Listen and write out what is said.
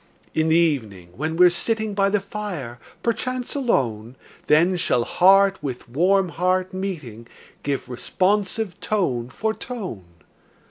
In the evening, when we're sitting By the fire, perchance alone, Then shall heart with warm heart meeting, Give responsive tone for tone.